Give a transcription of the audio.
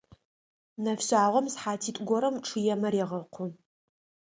Нэфшъагъом сыхьатитӏу горэм чъыемэ регъэкъу.